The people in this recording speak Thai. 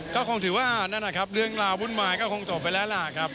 ก็คงถือว่านั่นแหละครับเรื่องราววุ่นวายก็คงจบไปแล้วล่ะครับ